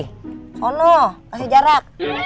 sono kasih jarak